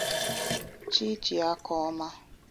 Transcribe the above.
Chiji Akoma